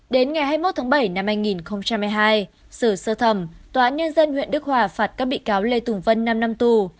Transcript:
đến ngày hai mươi một tháng bảy năm hai nghìn hai mươi hai xử sơ thẩm tòa án nhân dân huyện đức hòa phạt các bị cáo lê tùng vân năm năm tù